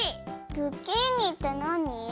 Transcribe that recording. ズッキーニってなに？